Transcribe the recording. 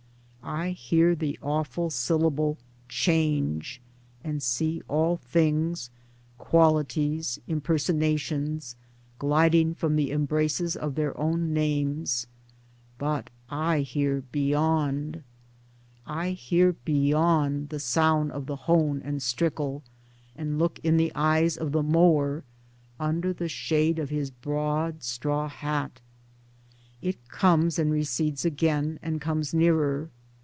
I hear the awful syllable Change, and see all things, qualities, impersonations, gliding from the embraces of their own names ; but I hear beyond ; Towards Democracy 63 I hear beyond the sound of the hone and strickle, and look in the eyes of the Mower, under the shads of his broad straw hat. It comes and recedes again, and comes nearer.